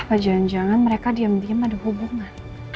apa jangan jangan mereka diam diam ada hubungan